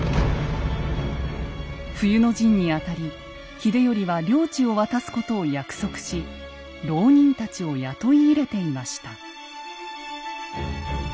冬の陣にあたり秀頼は領地を渡すことを約束し牢人たちを雇い入れていました。